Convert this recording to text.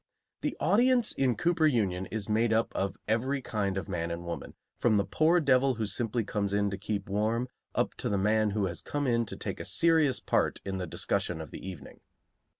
The audience in Cooper Union is made up of every kind of man and woman, from the poor devil who simply comes in to keep warm up to the man who has come in to take a serious part in the discussion of the evening.